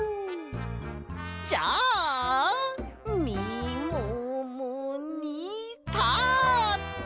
じゃあみももにタッチ！